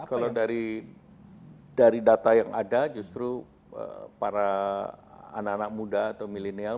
kalau dari data yang ada justru para anak anak muda atau milenial